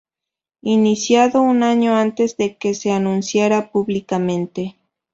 Iniciado un año antes de que se anunciara públicamente.